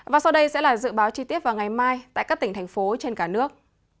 và sau đây sẽ là dự báo chi tiết vào ngày mai tại các tỉnh thành phố trên cả nước